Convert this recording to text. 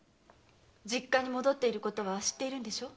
実家に戻っていることは知っているんでしょう？